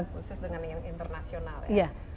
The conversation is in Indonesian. khusus dengan yang internasional ya